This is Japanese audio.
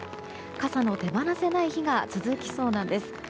傘の手放せない日が続きそうなんです。